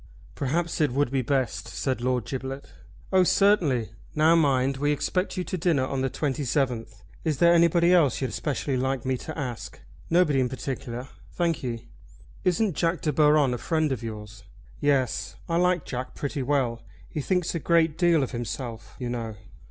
"Perhaps it would be best," said Lord Giblet. "Oh, certainly. Now mind, we expect you to dinner on the 27th. Is there anybody else you'd specially like me to ask?" "Nobody in particular, thank ye." "Isn't Jack De Baron a friend of yours?" "Yes, I like Jack pretty well. He thinks a great deal of himself, you know."